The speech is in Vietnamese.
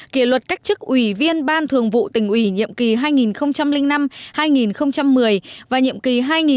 kỷ luật cách chức ủy viên ban thường vụ tỉnh ủy nhậm kỳ hai nghìn năm hai nghìn một mươi và nhậm kỳ hai nghìn một mươi hai nghìn một mươi năm